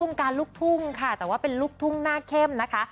การลูกทุ่งค่ะแต่ว่าเป็นลูกทุ่งหน้าเข้มนะคะ